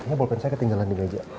ternyata bolpen saya ketinggalan di meja